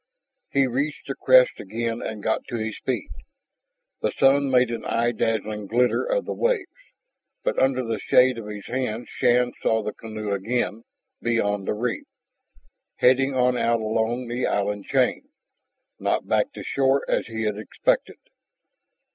He reached the crest again and got to his feet. The sun made an eye dazzling glitter of the waves. But under the shade of his hands Shann saw the canoe again, beyond the reef, heading on out along the island chain, not back to shore as he had expected.